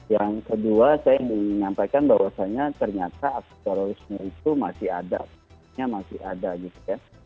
yang kedua saya ingin menyampaikan bahwasannya ternyata aksi terorisme itu masih